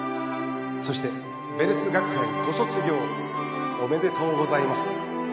そしてヴェルス学園ご卒業おめでとうございます